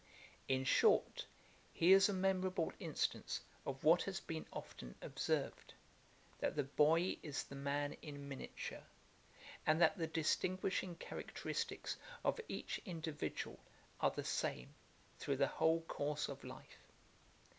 In short, he is a memorable instance of what has been often observed, that the boy is the man in miniature: and that the distinguishing characteristicks of each individual are the same, through the whole course of life.